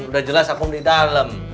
udah jelas akun di dalam